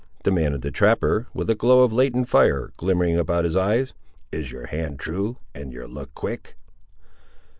demanded the trapper, with a glow of latent fire, glimmering about his eyes; "is your hand true, and your look quick?"